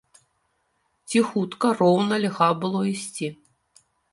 Ціхутка, роўна льга было ісці.